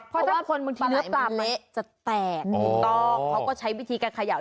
เพราะถ้าคนบางทีเนื้อปลามันจะแตกถูกต้องเขาก็ใช้วิธีการเขย่า